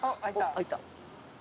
「開いた」